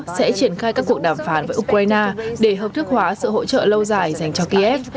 g bảy cũng nêu rõ sẽ triển khai các cuộc đàm phán với ukraine để hợp thức hóa sự hợp thức hóa sự lâu dài dành cho kiev